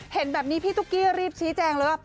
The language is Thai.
เห็นแบบนี้พี่ตุ๊กกี้รีบชี้แจงเลยว่า